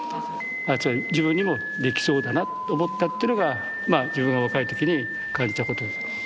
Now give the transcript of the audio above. つまり自分にもできそうだなと思ったってのがまあ自分も若い時に感じたことです。